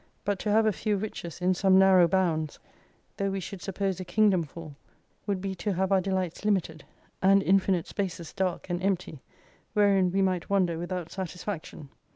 But to have a few riches in some narrow bounds, though we should suppose a kingdom full, would be to have our delights limited, and infinite spaces dark and empty, wherein we might wander without satisfaction.